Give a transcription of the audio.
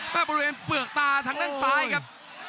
บริเวณเปลือกตาทางด้านซ้ายครับ